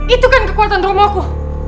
itu kan kekuatan rumahku